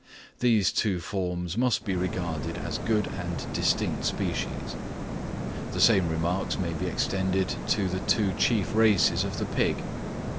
these two forms must be regarded as good and distinct species. The same remarks may be extended to the two chief races of the pig.